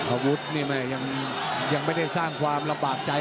อาวุธนี่แม่ยังไม่ได้สร้างความลำบากใจ